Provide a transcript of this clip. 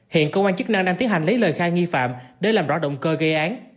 hiện cơ quan chức năng đang tiến hành lấy lời khai nghi phạm để làm rõ động cơ gây án